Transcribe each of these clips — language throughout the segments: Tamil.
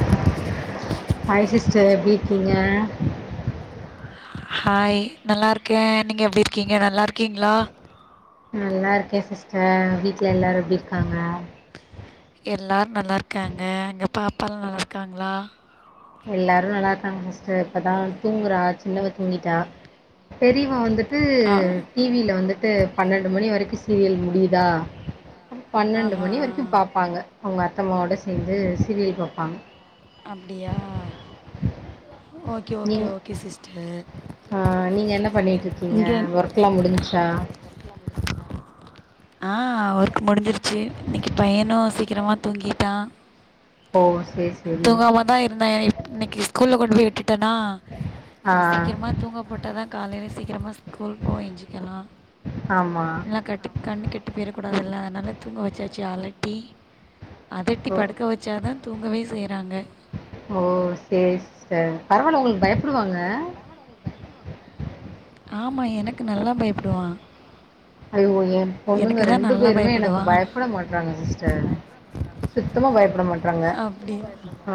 சலாமு ஹாய் சிஸ்டர் எப்டி இருக்கீங்க ஹாய் நல்லா இருக்கேன் நீங்க எப்டி இருக்கீங்க நல்லா இருக்கீங்களா நல்லா இருக்கே சிஸ்டர் வீட்ல எல்லாரு எப்டி இருக்காங்க எல்லாரு நல்லாருக்காங்க எங்க பாப்பாலா நல்லாருக்காங்களா எல்லாரு நல்லா இருக்காங்க சிஸ்டர் இப்பதா தூங்குறா சின்னவ தூங்கிட்டா பெரியவ வந்து ட்டு டி வி யில வந்துட்டு பன்னெண்டு மணி வரைக்கு சீரியல் முடியுதா பன்னெண்டு மணி வரைக்கு பாப்பாங்க அவங்க அத்தைம்மாவோட சேந்து சீரியல் பாப்பாங்க அப்படியா ஓக் நீங்க அ நீங்க என்ன பண்ணிட்டுருக்கீங்க ஒர்க்கெலா முடிஞ்சச்சா ஆ ஒர்க்க முடிஞ்சிருச்சு இன்னைக்கு பையனு சீக்கிரமா தூங்கிட்டான் தூங்கமா தா இருந்த இன்னைக்கி ஸ்கூல்ல கொண்டு போய் விட்டுட்டேனா ஆ ஆ தூங்க போட்டா தா காலையில் சீக்கிரமாக ஸ்கூல் போய எஞ்சிக்கணு இல்லா கட் கண்ணு கெட்டு போயரக்கூடாதுல்ல அதனால் தூங்க வைச்சாச்சு அலட்டி அதட்டி படுக்க வச்சாதா தூங்கவே செய்யறாங்க ஓ செரி செரி பரவாயில்ல உங்களுக்கு பயப்படுவாங்க ஆமா எனக்கு நல்லா பயப்படுவா ஐயோ என் பொண்ணுங்க ரெண்டு பேருமே எனக்கு பயப்பட மாட்றாங்க சிஸ்டர் சுத்தமா பயப்பட மாட்றாங்க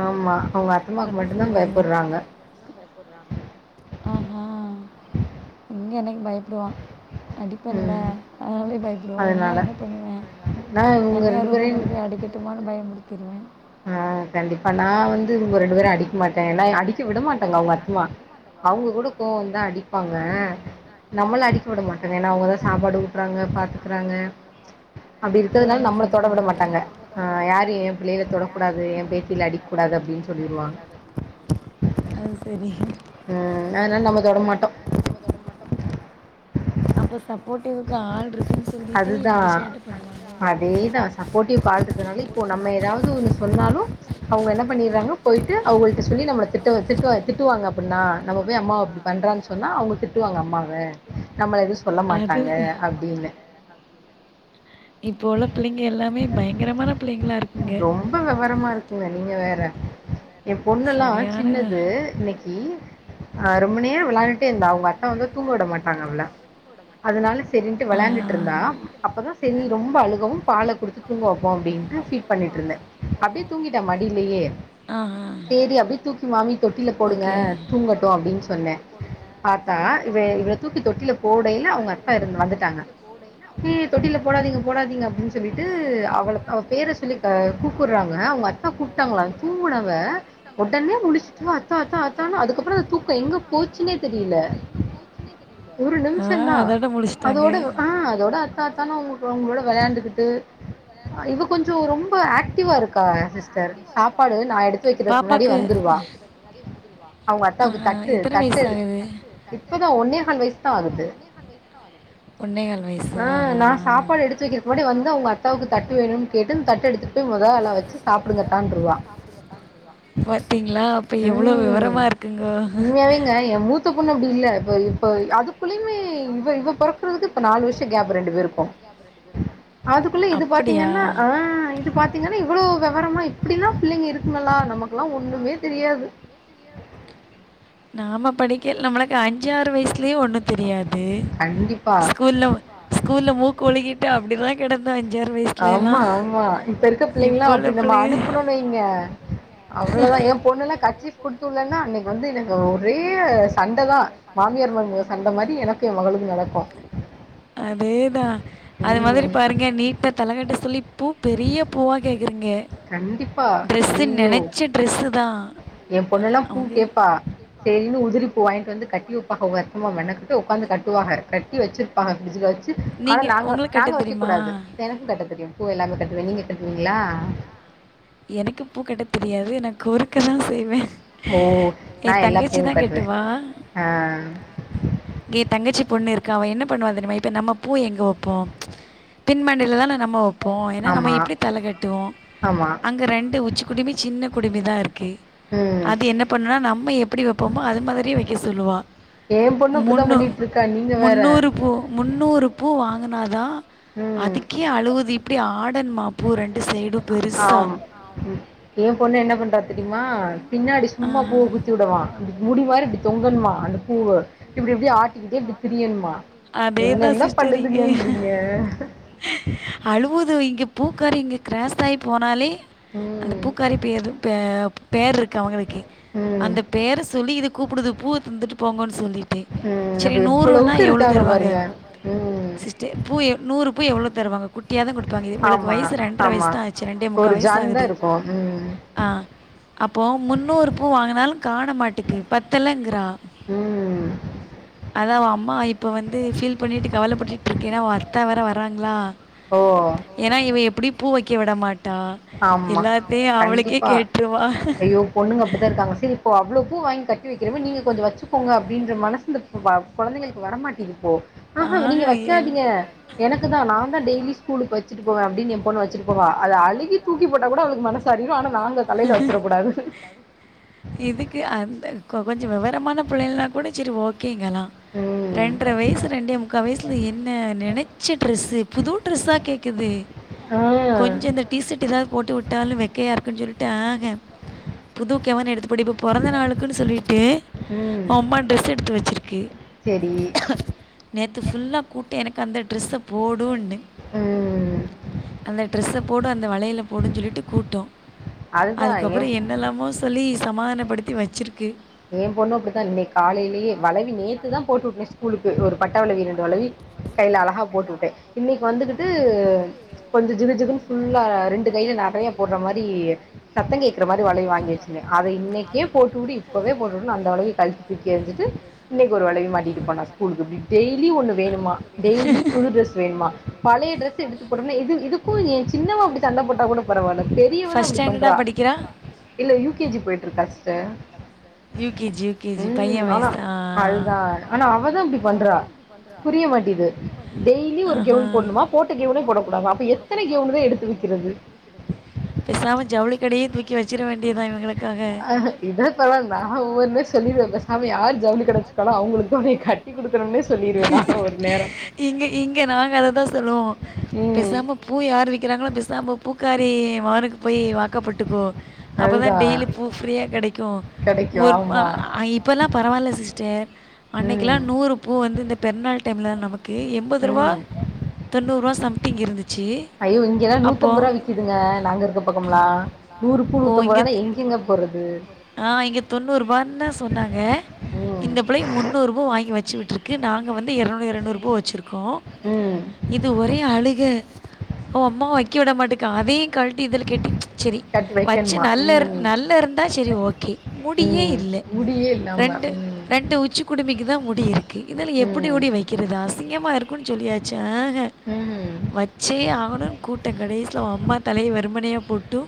ஆமா அவங்க அத்தம்மாவுக்கு மட்டும்தா பயப்படுறாங்க ஆஹா இங்க என்னைக்கு பயப்படுவா அடிப்பேன்ல அதனாலய பயப்படுவா இன்னு என்ன பண்ணுவே தனியா ரூம்ல கொண்டு போய் அடி கட்டுமானு பயமுடுத்திடுவே கண்டிப்பா நா வந்து உங்க ரெண்டு பேரும் அடிக்க மாட்டேன் ஏன்னா அடிக்க விட மாட்டாங்க அவங்க அத்தமா அவங்க கூட கோவோ வந்தா அடிப்பாங்க நம்மள அடிக்க விட மாட்டேங்க ஏன்னா அவங்கத சாப்பாடு ஊட்டுறாங்க பாத்துக்கறாங்க அப்டி இருக்கிறதுனால நம்மள தொட விட மாட்டாங்க ஆ யாரு என் பிள்ளையை தொடக்க கூடாது என் பேத்திகள அடிக்க கூடாது அப்டின்னு சொல்லிடுவாங் அது சரி அ அதனால நம்ம தோட மாட்டோம் அப்ப சப்போர்ட்டிவக்கு ஆள் இருக்குன்னு சொல்லிட்டு இவங்க சேட்ட பன்னு அதேதா சப்போர்ட்டிவ்க்கு ஆள் இருக்கனால இப்போ நம்ம ஏதாவது ஒன்னு சொன்னாலும் அவங்க என்ன பண்ணிறாங்கனா போயிட்டு அவங்கள்ட சொல்லி நம்மல திட்டுவ திட்டுவ திட்டுவாங்க அப்பன்னா நம்ப போய் அம்மா அப்டி பண்றோன் ஸ் சொன்னா அவங்க திட்டுவாங்க அம்மாவ நம்மள எதுவு சொல்ல மாட்டாங்க அப்டின்னு இப்போ உள்ள பிள்ளைங்க எல்லாமே பயங்கரமான பிள்ளைங்களாருக் ரொம்ப வெவரமா இருக்குங்க நீங்க வேற என் பொண்ணுல்லா சின்னது இன்னைக் கி அ ரொம்ப நேரோ விளையாண்டுட்டே இருந்த அவங்க அத்தா வந்து தூங்க விட மாட்டாங்க அவள அதனால செரின்ட்டு விளையாண்டுட்ருந்தா அப்பதா செரி ரொம்ப அழுகவு பால குடுத்துத் தூங்க வப்போ அப்டின்ட்டு ஃபீடு பண்ணிட்ருந்தே அப்டியே தூங்கிட்ட மடியிலயே செரி அப்டி தூக்கி மாமி தொட்டில போடுங்க தூங்கட்டு அப்டின்னு சொன்னே பாத்தா இவ இவள தூக்கி தொட்டியில போடையில அவங்க அத்தா இருந்து வந்துட்டாங்க ஹீ தொட்டியில போடாதீங்க போடாதீங்க அப்டின்னு சொல்லிட்டு அவள அவ பேர சொல்லிக் கா அ கூப்பிடுறாங்க அவங்க அத்தா கூப்பிட்டாங்களா தூங்குனவ உடனே முடிச்சுட்டு வா அத்தா தனா அதுக்கப்பறோ அந்த தூக்கோ எங்க போச்சுன்னே தெரியில ஒரு நிமிஷோ தா அதோட ஆ அதோட அத்தாத் தனா உங்கக்க உங்களோட வெளையாண்டுகிட்டு அ இவ கொஞ்சோ ரொம்ப ஆக்டிவா இருக்கா சிஸ் சர் சாப்பாடு நா எடுத்து வைக்கிறதுக்கு முன்னாடியே வந்துருவா அவங்க அத்தாவுக்கு தட்டு தட்டு எடு இப்பதா ஒன்னேகால் வயசு தா ஆகுது ஒன்னே கால் ஆ நா சாப்பாடு எடுத்து வைக்கிறதுக்கு முன்னாடி வந்து அவங்க அத்தாவுக்கு தட்டு வேணும்னு கேட்டுன் தட்டு எடுத் துட்டு மொத ஆளா வச்சு சாப்பிடுங்க அத்தான்ட்ருவா பாத்தீங்ளா அப்ப எவ்ளோ விவரமா இருக்குங்கோ ங்க என் மூத்த பொண்ணு அப்படி இல்லப்ப இப்ப இப்ப அதுக்குள்ளயுமே இவ இவ பொறக்குறதுக்கு இப்ப நாலு வருஷோ கேப் ரெண்டு பேர் இருக்கு அதுக்குள்ள இது பாத்தீங்கன்னா இது அ பாத்தீங்கன்னா இவ்ளோவு வெவரமா இப்டின்னா புள்ளைங்க இருக்குங்களா நமக்குல்லா ஒண்ணுமே தெரியாது நாம படிக் கே நம்மளுக்கு அஞ்சாறு வயசலயே ஒன்னு தெரியாது ஸ்கூல்ல ஒ ஸ் கூல்ல மூக்கு ஒழுகிட்டு அப்டிதாய்ங் கெடந்து அஞ்சாறு வய்ஸ் ஆமா ஆமா இப்ப இருக்க பிள்ளைங்களா அப்டி நம்ம அனுப்பனோன்னு வைங்க அவ்ளோதா ஏ பொண்ணுலா கச்சிஃப் குடுத்துல்லன்னா அன்னைக்கு வந்து எனக்கு ஒரே சண்ட தா மாமியார் மருமக சண்ட மாரி எனக்கு எ மகளுக்கு நடக்கு அதே தா அது மாதிரி பாருங்க நீட்ட தலகட்ட சொல்லி பூ பெரிய பூவா கேக்குறீங்க கண்டிப்பா ஐயையோ எ பொண்ணுல்லா பூ கேப்பா செரின்னு உதிரிப்பூ வாங்கிட்டு வந்து கட்டி வைப்பாங்க அவங்க அத்தம்மா மெனக்கெட்டு ஒக்காந்து கட்டுவாக கட்டி வச்சிருப்பாங்க ஃபிரிட்ஜில வச் சி மொல்ல நாங்க நாங்க வைக்க கூடாது தெனக்கு கட்ட தெரியு பூ எல்லாமே கட்டுவ நீங்க கட்டுவீங்களா எனக்கு பூ கிட்ட தெரியாது நா கோர்க்கதா செய்வே என் தங்கச்சிதா கெட்டுவா இங்கே தங்கச்சி பொண்ணு இருக்க அவ என்ன பண்ணுவா தெரியுமா இப்ப நம்ம பூ எங்க வப்போ ம்ச் பின் மண்டைல தான நம்ம வப்போ ஏன்னா நம்ம எப்படி தல கட்டுவோ அங்க ரெண்டு உச்சிக்குடிமி சின்ன குடுமி தா இருக்கு அது என்ன பண்ணனா நம்ம எப்படி வைப்போமோ அது மாதிரியே வைக்க சொல்லுவா ஏ பொண்ணு அப்படிதா பண்ணிட்ருக்கா நீங்க வேற பூ முன்னூறு பூ வாங்குனாதா அதுக்கே அழுகுதிப் இப்டி ஆடண்மா பூ ரெண்டு சைடு பெருசா ம் ஏ பொண்ணு என்ன பண்றா தெரியுமா பின்னாடி சும்மா பூ குத்தி விடவா அப்டி முடி மாரி இப்டி தொங்கனுமா அந்த பூவ இப்டி இப்டி ஆட்டிக்கிட்டே இப்ப திரியணுமா என்ன என்ன பண்ணுதுங்கன்றீங்க அழவுது இங்க பூக்காரி இங்க கிராஸ் ஆகி போனாலே அந்த பூக்காரி பேர் பேர் இருக்கு அவுங்களுக்கு அந்த பேர சொல்லி இது கூப்டுது பூவ தந்துட்டு போங்கன்னு சொல்லி சரி நூறுன்னா எவ்ளோ சிஸ்டர் பூ நூறு பூ எவ்ளோ தருவங்க கு ட்டயாதா குடுப்பாங்க இது இவளுக்கு வயசு ரெண்டர வயசுதா ஆச்சு ரெண்டே முக்கா வயசு ஆகுது ஆ அப்போ முன்னூறு பூ வாங்கினாலு காண மாட்டேக்கு பத்தல்லங்கறா ம் அதா அவ அம்மாயி இப்ப வந்து ஃபீல் பண்ணிட்டு கவலப்பட்டுட்டு இருக்கேன்னா வர்ட்டா வேற வர்றாங்ளா ஓ ஏனா இவ எப்டியு பூ வெக்க விட மாட்டா எல்லாத்தையு அவளுக்கே கேட்டுருவா பொண்ணுங்க அப்டிதா இருக்காங்க சரி இப்ப அவ்ளோ பூ வாங்கி கட்டி வெக்கிறமே நீங்க கொஞ்சோ வெச்சுக்கோங்க அப்டின்ற மனசு வ கொழந்தைங்களுக்கு வரமாட்டீ இப்போ ஹஹா நீங்க வெக்காதீங்க எனக்குதா நான்தா டெய்லி ஸ்கூலுக்கு வெச்சுட்டு போவேன் அப்டின் என் பொண்ணு வெச்சுட்டு போவா அத அழுகி தூக்கி போட்ட கூட அவளுக்கு மன சு ஆரிரு ஆனா நாங்க தலைல வெச்சிடக் கூடாது இதுக்கு அந்த கொஞ்சோ விவரமான பிள்ளைனால் கூட செரி ஓகேங்கலா ரெண்டரை வயசு ரெண்டே முக்கா வயசுல என்ன நெனைச்ச டிரெஸ்ஸுபுது ட்ரெஸ்ஸா கேக்குது கொஞ்சோ இந்த டீசர்ட் எதாவது போட்டு விட்டாலு வெக்கையா இருக்குன்னு சொல்லி ட்டு அஹ புது கவுன் எடுத்து போட்டு இப்போ பொறந்த நாளுக்குனு சொல்லிட்டு அம்மா ட்ரெஸ் எடுத்து வெச்சிருக்கு நேத்து ஃபுல்லா கூட்டு எனக்கு அந்த ட்ரெஸ்ஸ போடுனு அந்த ட்ரெஸ்ஸ போடு அந்த வலைல போடுன்னு சொல்லிட்டு கூட்டோ அதுக்கப்றோ என்னெல்லாமோ சொல்லி சமாதானப்படுத்தி வெச்சிருக்கு என் பொண்ணு அப்டிதா இன்னிக்கு காலைலயே வளவி நேத்துதா போட்டு விட்ட ஸ்கூலுக்கு ஒரு பட்ட வளவி ரெண்டு வளவி கைல அழகா போட்டுவுட்டே இன்னிக்கு வந்துகிட்டு கொஞ்சோ ஜிகு ஜிகுன்னு ஃபுல்லா ரெண்டு கைல நெறையா போடுற மாரி சத்தங் கேக்கிற மாரி வளவி வாங்கி வெச்சிருந்த அத இன்னைக்கே போட்டு விடு இப்பவே போட்டுவுடுணு அந்த வளவிய கல்ட்டி தூக்கி எரிஞ்ச்சிட்டு இன்னைக்கு ஒரு வளவி மாட்டிட்டு போனா ஸ்கூலுக்கு இப்டி டெய்லி ஒன்னு வேணுமா டெய்லி புது டிரெஸ் வேணுமா பழைய டிரஸ் எடுத்து போட்டம்னா இதுக்கு என் சின்னவ அப்டி சண்ட போட்டா கூட பரவால்ல பெரியவதா அப்டி பண்றா இல்ல யூ கே ஜி போய்ட்ருக்கா sister U K G U K G பையன் வயசுதா அதுதா ஆனா அவதா அப்டி பண்றா புரிய மாட்டீது டெய்லி ஒரு கெவுன் போடுணுமா போட்ட கெவுனே போட கூடாதா அப்ப எத்தின கெவுனுதா எடுத்து வெக்கிறது பேசாம ஜவுளி கடையே தூக்கி வெச்சிர வேண்டிதா இவுகளுக்காக ம்ஹு இதாது பரவால நா ஒவ்வொன்னு சொல்லிருவ பேசாம யார் ஜவுளி கட வெச்சிருக்காலோ அவுங்களுக்கு உன்னய கட் டி குடுக்கறோம் சொல்லிடுவே நானு ஒரு நேரோ இங்க இங்க நாங்க அததா சொல்லுவோ பேசாம பூ யார் விக்கிறாங்ளோ பேசாம பூக்காரி மவனுக்கு போய் வாக்கப்பட்டுக்கோ அப்பதா டெய்லி பூ ஃப்ரீயா கெடைக்கு ஒன் அ இப்பல்லா பரவால்ல சிஸ்டர் அன்னைக்கெல்லா நூறு பூ வந்து இந்த பெருநாள் டைம்ல நமக்கு ஓகே எம்பது ரூவா தொண்ணூறுவா சம்திங் இருந்துச்சு ஐயோ இங்கெலா நூத்தம்பொரூவா விக்குதுங்க நாங்க இருக்க பக்கம்லா நூறு பூ நூத்தம்பொரூவானா எங்கெங்க போறது ஆ இங்க தொண்ணூறுபான்னு சொன்னாங்க இந்த பிள்ளைக்கு முந்நூறு பூ வாங்கி வெச்சு விட்ருக்கு நாங் ங்க வந்து ஏரநூறு ஏரநூறு பூ வச்சிருக்கோ இது ஒரே அழுக அவ அம்மாவு வக்கெ விடமாட்டிக்கா அதையு கழட்டி இதுல கெட்டி செரி வச்சு நல்லர் நல்லா இருந்தா சேரி ஓகே முடியே இல்ல ரெண்டு ரெண்டு உச்சிக்குடும்மிக்கு தா முடி இருக்கு இதுல எப்டியுடி வெக்கிறது அசிங்கமா இருக்குன் சொல்லியாச்சு ஆ ஹா ம் வச்சே ஆகணுன் கூட்டங் கடேசில அவ அம்மா தலைய வெறுமனையா போட் டு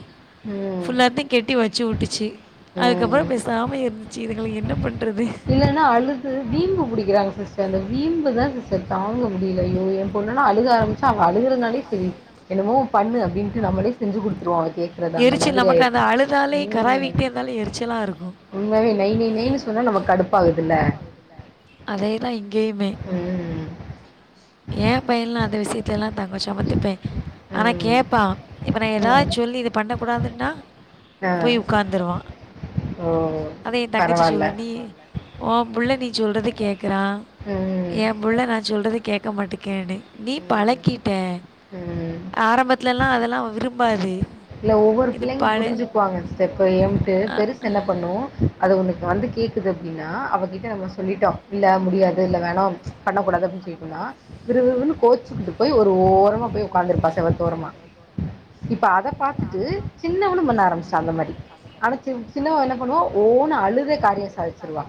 ஃபுல்லாத்தையு கெட்டி வச்சிவுட்டுச்சு அதுக்கப்றோ பேசாம இருந்துச்சு இதுங்கள என்ன பண்றது இல்லனா அழுது வீம்பு புடிக்கிறாங்க சிஸ்டர் அந்த வீம்பு தா சிஸ் ஸ்டர் தாங்க முடில ஐயோ எ பொண்ணுலா அழுக ஆரம்மிச்ச அவ அழுகுறதுனாலே செரி என்னமோ பண்ணு அப்டின்ட்டு நம்மளே செஞ்சு குடுத்துருவோ அவ கேக் எரிச்சல் நமக்கு அதா அழுதாலே கராவிட்டே இருந்தாலே எரிச்சலா இருக்கு உண்மையாவே நை நை நைன்னு சொன்னா நமக்கு கடுப்பாகுதுல அதேதா இங்கயுமே எ பையன்லா அந்த விஷ்யத்து துலலா தாங்கோ சமத்துப்பைய ஆனா கேப்பா இப்ப நா எதா சொல்லி இது பண்ணக் கூடாதுன்னா போய் ஒக்காந்துருவா அதா எ தங்கச்சி சொல்லு நீ ஓ புள்ள நீ சொல்றத கேக்குறா ம் எ புள்ள நா சொல்றத கேக்க மாட்டிக்கேடி நீ பழக்கிட்ட ம் ஆரம்பத்லலா அதெல்லா விரும்பாது இல்ல ஒவ்வொரு பிள்ளைங்க புரிஞ்சுக்குவாங்க சிஸ்டர் இப்ப ஏம்ட்டு பெருசு என்ன பண்ணு அது ஒன்னுக்கு வந்து கேக்குது அப்டின்னா அவகிட்ட நம்ம சொல்லிட்டோ இல்ல முடியாது இல்ல வேணா பண்ணக்க கூடாது அப்டின் சொல்லிடம்னா விறு விறு விறுனு கோச்சுக்கிட்டு போய் ஒரு ஓரமா போய் ஒக்காந்துருப்பா செவத்தோரமா இப்ப அத பாத்துட்டு சின்னவளு பண்ண ஆரம்மிச்டா அந்த மாரி ஆனா சின் சின்னவ என்ன பண்ணுவா ஓனு அழுதே காரிய சாதிச்சிருவா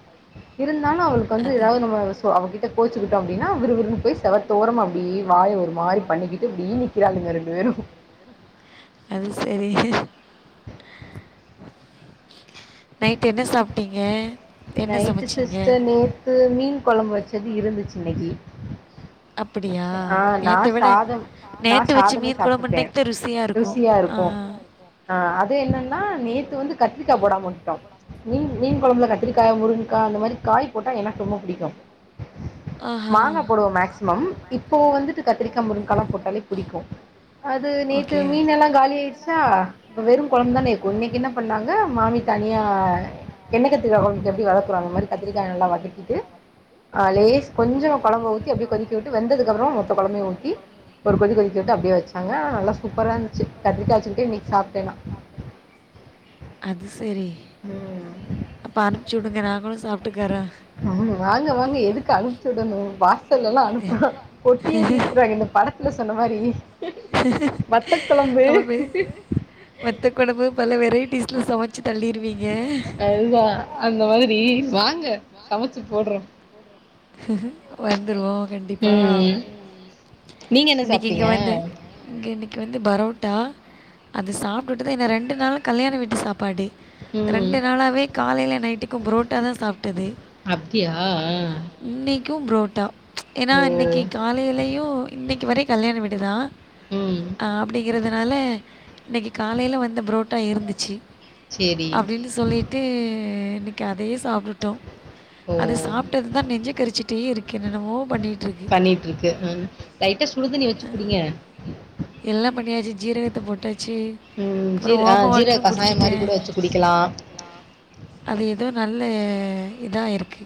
இருந்தாலு அவளுக் வந்து எதாவ்து நம்ம சோ அவக்கிட்ட கோச்சுக்கிட்டோ அப்டினா விரு விருனு போய் செவத்தோரமா அப்டி வாய ஒரு மாரி பண்ணிக்கிட்டு இப்டி நிற்கிறாளுங்க ரெண்டு வேரு அது செரி நைட் என்ன சாப்ட்டீங்க நைட்டு சிஸ்டர் நேத்து மீன் கொழம்பு வச்சது இருந்துச்சு இன்னக்கி ஆ நா சாதம் நா சாதமே சாப்ட்டுப்பே ருசியா இருக்கு அ அது என்னன்னா நேத்து வந்து கத்ரிக்கா போடாம விட்டுட்டோ மீன் மீன் கொழம்புல கத்திரிக்கா முருங்க்கா அந்த மாரி காய் போட்டா எனக்கு ரொம்ப புடிக்கு மாங்கா போடுவோ மேக்சிமம் இப்பலா வந்துட்டு கத்திரிக்கா முருங்க்காலா போட்டாலே புடிக்கு அது நேத்து மீனெ ல்லா காலி ஆயிடுச்சா இப்ப வெறு கொழம்பு தானே இருக்கு இன்னைக்கு என்ன பண்ணாங்க மாமி தனியா எண்ணெ கத்ரிக்கா கொழம்புக்கு எப்டி வதக்குறோ அந்த மாரி கத்திரிக்காய நல்லா வதக்கிட்டு ஆ லேஸ் கொஞ்சமா கொழம்ப ஊத்தி அப்டியே கொதிக்க விட்டு வெந்ததுக்கப்றமா மொத்த கொழம்பையு ஊத்தி ஒரு கொதி கொதிகவிட்டு அப்டியே வச்சாங்க நல்லா சூப்பரா இருந்துச்சு கத்திரிக்காயவச்சுகிட்டே இன்னைக்கு சாப்ட்ட நா அது செரி அப்ப அனுப்ச்சு வுடுங்க நாங்களு சாப்ட்டுக்கறோ [unintelligible] வாங்க வாங்க எதுக்கு அனுப்பிச்சுடணு வாஸ் த்துலெல்லா அனுப்புன கொட்டியே தீத்துறுவாய்ங்க இந்த படத்துல சொன்ன மாரி வத்தக் கொழம்பு வத்தக் கொழம்பு பல வெரைட்டிஸ்ல சமச்சு தள்ளிர்வீங்க அதுதா அந்த மாதிரி வாங்க சமச்சு போட்றோ வந்துருவோ கண்டிப்பா ம் இன்னைக்கு இங்க வந்து இங்க இன்னைக்கு வந்து பரோட்டா அது சாப்ட்டுடுதா இன்னு ரெண்டு நாளு கல்யாண வீட்டு சாப்பாடு ரெண்டு நாளாவே காலைல நைட்டுக்கு புரோட்டா தா சாப்ட்டது அப்டியா அ இன்னைக்கு புரோட்டா ஏனா இன்னைக்கி காலைலயு இன்னைக்கு வரை கல்யாண வீடுதா அப்டிங்கறதுனால இன்னைக்கு காலைல வந்த புரோட்டா இருந்திச்சி அப்டினு சொல்லிட்டு இன்னைக்கு அதயே சாப்டுட்டோ அது சாப் அதா நெஞ்சி கரிசிட்டே இருக்கு என்னனவோ பண்ணிட்டுருக் பண்ணிட்ருக்கு ம் லைட்டா சுடுதண்ணி வச்சு குடிங்க எல்லா பண்ணியாச்சு ஜீரகத்த போட்டாச்சு அப்பறோ ஓம வாட்ரு குடிச்சிட்டே ஆ அது எதோ நல்ல இதா இருக்கு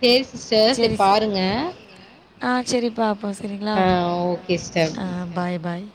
சேரி சிஸ்டர் சேர் பாருங்க ஆ சேரிப்பா அப்போ சேரிங்களா அ பாய் பாய்